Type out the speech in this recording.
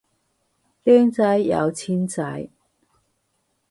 靚仔有錢仔